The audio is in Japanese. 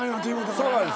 そうなんです